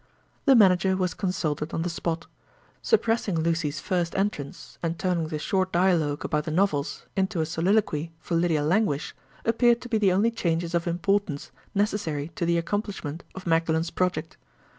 The manager was consulted on the spot. Suppressing Lucy's first entrance, and turning the short dialogue about the novels into a soliloquy for Lydia Languish, appeared to be the only changes of importance necessary to the accomplishment of Magdalen's project.